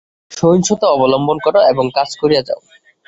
সহিষ্ণুতা অবলম্বন কর এবং কাজ করিয়া যাও।